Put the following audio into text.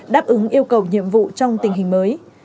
đáp ứng yêu cầu nhiệm vụ trong tình hình mới